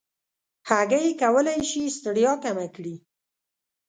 هګۍ کولی شي ستړیا کمه کړي.